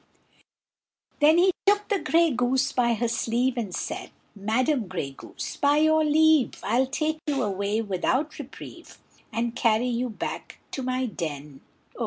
Then he took the grey goose by her sleeve, And said: "Madam Grey Goose, by your leave I'll take you away without reprieve, And carry you back to my den o!"